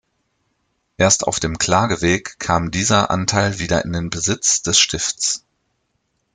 Erst auf dem Klageweg kam dieser Anteil wieder in den Besitz des Stifts.